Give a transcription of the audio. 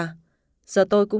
chị yến xót xa